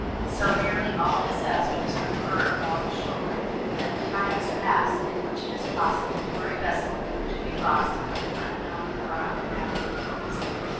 So nearly all disasters occur along shore; and the time is past in which it is possible for a vessel to be lost on an unknown or uninhabited coast.